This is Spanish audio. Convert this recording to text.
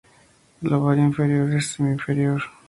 El ovario es inferior o semi-inferior.